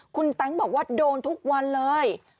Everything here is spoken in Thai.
คุณแต๊งบอกว่าโดนทุกวันเลย